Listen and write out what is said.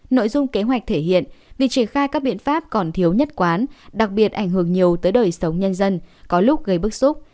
nội dung kế hoạch thể hiện việc triển khai các biện pháp còn thiếu nhất quán đặc biệt ảnh hưởng nhiều tới đời sống nhân dân có lúc gây bức xúc